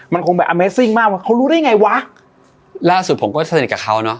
มันคงแบบอเมซิ่งมากว่าเขารู้ได้ไงวะล่าสุดผมก็สนิทกับเขาเนอะ